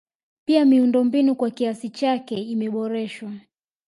Pia miundombinu kwa kiasi chake imeboreshwa